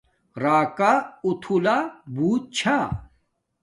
راکا اُتھولہ بوت چھا